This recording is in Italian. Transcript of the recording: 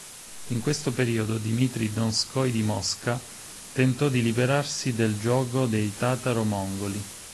In questo periodo Dmitrij Donskoj di Mosca tentò di liberarsi del giogo dei Tataro-mongoli.